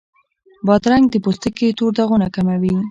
بادرنګ د پوستکي تور داغونه کموي.